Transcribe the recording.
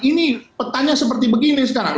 ini petanya seperti begini sekarang